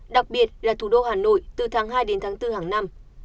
đặc biệt là thủ đô hà nội từ tháng hai đến tháng bốn hàng năm